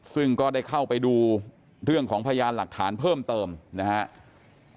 ซึ่งก็ได้เข้าไปดูเรื่องของพยานหลักฐานเพิ่มเติมนะครับ